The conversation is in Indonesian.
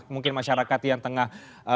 mungkin masyarakat yang tengah